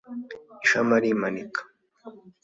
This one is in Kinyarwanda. ishami arimanika